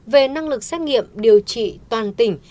về năng lực xét nghiệm điều trị toàn tỉnh